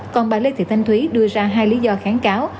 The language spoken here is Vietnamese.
còn bà lê thị thanh thúy đưa ra hai lý do kháng cáo